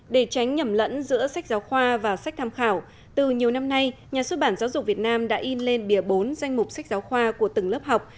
để tránh nhầm lẫn giữa sách giáo khoa và sách tham khảo từ nhiều năm nay nhà xuất bản giáo dục việt nam đã in lên bìa bốn danh mục sách giáo khoa của từng lớp học